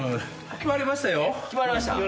決まりました？